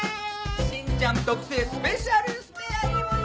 しんちゃん特製スペシャルスペアリブよ！